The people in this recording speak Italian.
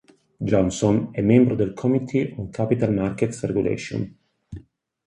Johnson è membro del Committee on Capital Markets Regulation.